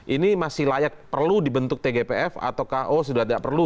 ini masih layak perlu dibentuk tgpf atau ko sudah tidak perlu